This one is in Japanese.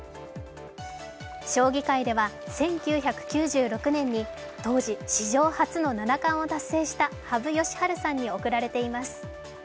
将棋界では１９９６年に当時、史上初の七冠を達成した羽生善治さんに贈られています。